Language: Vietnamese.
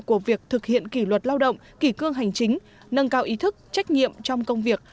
của việc thực hiện kỷ luật lao động kỷ cương hành chính nâng cao ý thức trách nhiệm trong công việc